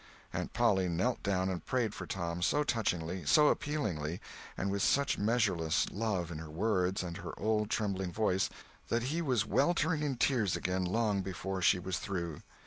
Aunt Polly knelt down and prayed for Tom so touchingly, so appealingly, and with such measureless love in her words and her old trembling voice, that he was weltering in tears again, long before she was through.